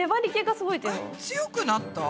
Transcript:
強くなった？